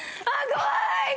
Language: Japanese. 怖い！